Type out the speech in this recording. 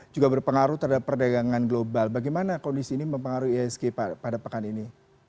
juga berpengaruh terhadap perdagangan global bagaimana kondisi ini mempengaruhi ihsg pada pekan ini